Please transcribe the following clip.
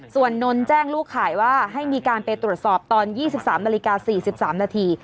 ส่วนนนท์แจ้งลูกขายว่าให้มีการไปตรวจสอบตอน๒๓นาฬิกา๔๓นาที